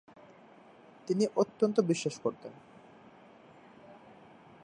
তিনি অত্যন্ত বিশ্বাস করতেন।